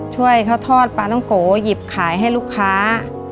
ช่วยเขาทอดปลาต้องโกหยิบขายให้ลูกค้า